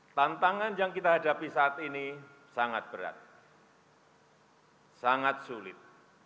tantangan yang kita hadapi saat ini sangat berat sangat sulit